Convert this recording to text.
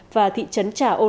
và thị trấn trà âu